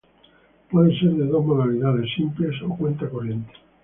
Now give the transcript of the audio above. Puede ser de dos modalidades; simple o cuenta corriente.